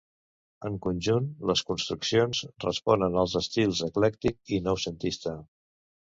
En conjunt, les construccions responen als estils eclèctic i noucentista.